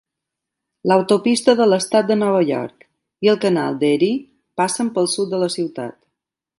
L'autopista de l'estat de Nova York i el canal d'Erie passen pel sud de la ciutat.